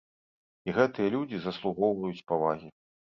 І гэтыя людзі заслугоўваюць павагі.